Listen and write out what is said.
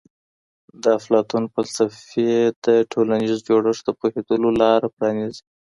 د افلاطون فلسفې د ټولنیز جوړښت د پوهېدلو لاره پرانیزي.